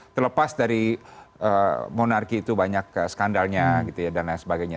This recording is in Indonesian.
terlepas dari monarki itu banyak skandalnya dan lain sebagainya